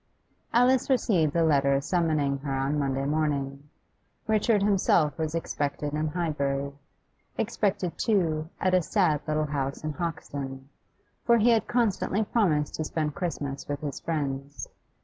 Alice received the letter summoning her on Monday morning. Richard himself was expected in Highbury; expected, too, at a sad little house in Hoxton; for he had constantly promised to spend Christmas with his friends.